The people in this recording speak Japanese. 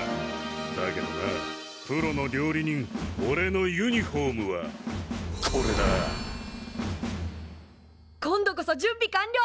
だけどなプロの料理人おれのユニフォームはこれだ！今度こそ準備完了！